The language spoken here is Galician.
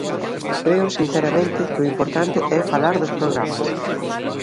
Creo, sinceramente, que o importante é falar dos programas.